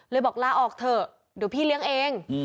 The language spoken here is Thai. บอกลาออกเถอะเดี๋ยวพี่เลี้ยงเอง